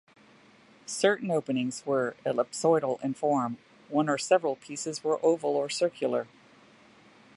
Certain openings were ellipsoidal in form, one or several pieces were oval or circular.